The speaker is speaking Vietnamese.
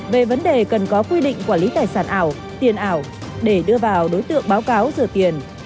về vấn đề cần có quy định quản lý tài sản ảo tiền ảo để đưa vào đối tượng báo cáo rửa tiền